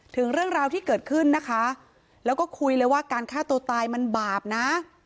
ถึงเรื่องราวที่เกิดขึ้นนะคะแล้วก็คุยเลยว่าการฆ่าตัวตายมันบาปนะ